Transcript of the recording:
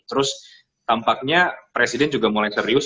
terus tampaknya presiden juga mulai serius